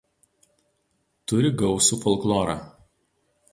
Turi gausų folklorą.